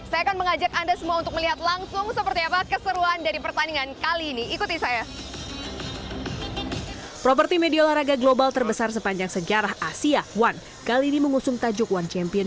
saya akan mengajak anda semua untuk melihat langsung seperti apa keseruan dari pertandingan kali ini ikuti saya